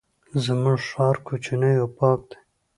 زمونږ ښار کوچنی او پاک دی.